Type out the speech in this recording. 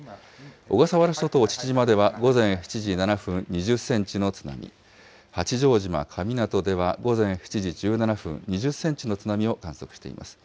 小笠原諸島父島では午前７時７分、２０センチの津波、八丈島神湊では午前７時１７分、２０センチの津波を観測しています。